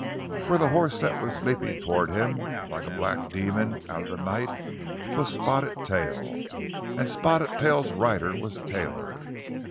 For the horse that was leaping toward him like a black demon out of the night was Spotted Tail. And Spotted Tail's rider was Taylor.